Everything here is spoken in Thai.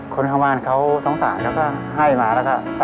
คนขวานเขาท้องสารเขาก็ให้มาแล้วค่ะ